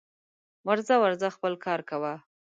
ورځه ورځه خپل کار کوه